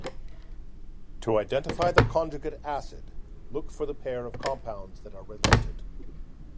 To identify the conjugate acid, look for the pair of compounds that are related.